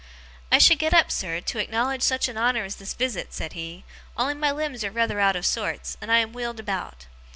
'I should get up, sir, to acknowledge such an honour as this visit,' said he, 'only my limbs are rather out of sorts, and I am wheeled about.